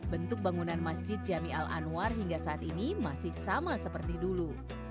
bentuk bangunan masjid jami al anwar hingga saat ini masih sama seperti dulu